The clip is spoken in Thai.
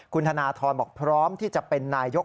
คุณธนทรบอกพร้อมที่จะเป็นนายก